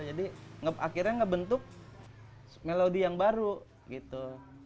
jadi akhirnya ngebentuk melodi yang baru gitu